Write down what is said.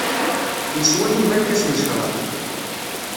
Yeswa Yuba lkas n ccrab.